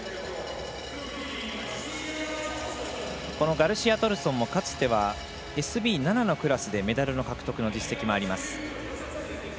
ガルシアトルソンもかつてはＳＢ７のクラスでメダルの獲得の実績もあります。